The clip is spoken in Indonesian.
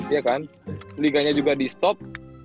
ya kan liganya juga di stop